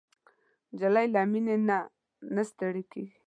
نجلۍ له مینې نه نه ستړېږي.